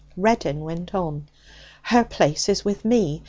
Reddin went on: 'Her place is with me.